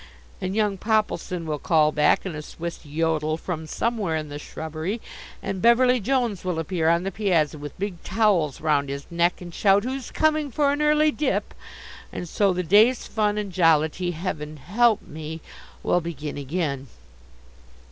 And young Poppleson will call back in a Swiss yodel from somewhere in the shrubbery, and Beverly Jones will appear on the piazza with big towels round his neck and shout, "Who's coming for an early dip?" And so the day's fun and jollity heaven help me will begin again.